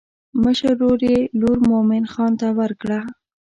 مشر ورور یې لور مومن خان ته ورکړه.